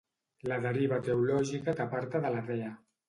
La deriva teològica t'aparta de la dea.